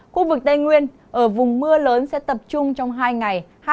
khu vực tây nguyên ở vùng mưa lớn sẽ tập trung trong hai ngày